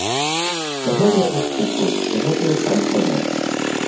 Гэта я не чытачу, гэта я сам сабе.